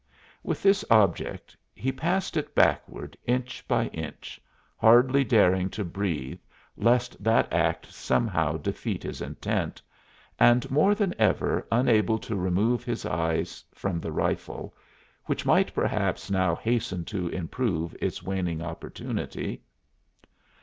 With this object he passed it backward inch by inch, hardly daring to breathe lest that act somehow defeat his intent, and more than ever unable to remove his eyes from the rifle, which might perhaps now hasten to improve its waning opportunity.